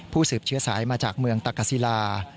สืบเชื้อสายมาจากเมืองตะกศิลา